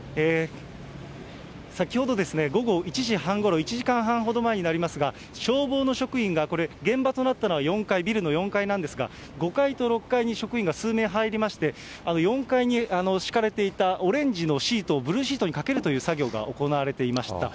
先ほど、午後１時半ごろ、１時間半ほど前になりますが、消防の職員がこれ、現場となったのは４階、ビルの４階なんですが、５階と６階に職員が数名入りまして、４階に敷かれていたオレンジのシート、ブルーシートにかけるという作業が行われていました。